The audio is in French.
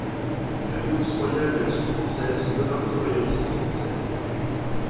Alliance royale et Action française sont deux partis royalistes français.